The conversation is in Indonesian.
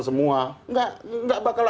semua nggak bakal